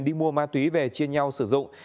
đi mua ma túy về chia nhau sử dụng